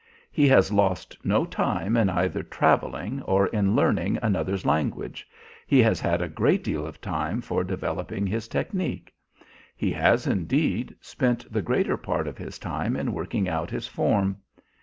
He has lost no time in either travelling or in learning another's language, he has had a great deal of time for developing his technique. He has, indeed, spent the greater part of his time in working out his form.